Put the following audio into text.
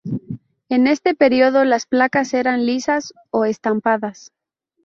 En este periodo las placas eran lisas o estampadas.